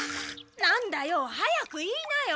なんだよ早く言いなよ。